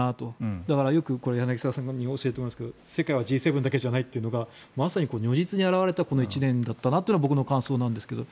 だから、よく柳澤さんに教えてもらうんですけど世界はＧ７だけじゃないというのがまさに如実に表れた１年だったなというのが僕の感想なんですけど。